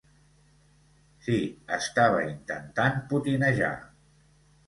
Sí, estava intentant potinejar.